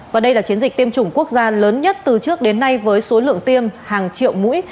và đây là chiến dịch tiêm chủng quốc gia lớn nhất từ trước đến nay với số lượng tiêm hàng triệu mũi